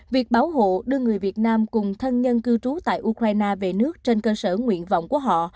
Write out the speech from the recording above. việc bảo hộ đưa người việt nam cùng thân nhân cư trú tại ukraine về nước trên cơ sở nguyện vọng của họ